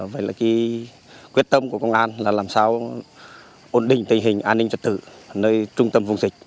vậy là quyết tâm của công an là làm sao ổn định tình hình an ninh trật tử nơi trung tâm vùng dịch